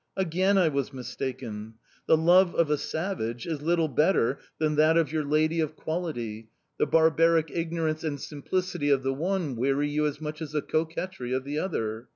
Again I was mistaken; the love of a savage is little better than that of your lady of quality, the barbaric ignorance and simplicity of the one weary you as much as the coquetry of the other.